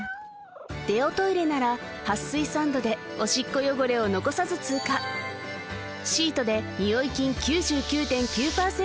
デオトイレなら撥水サンドでオシッコ汚れを残さず通過シートでニオイ菌９９．９％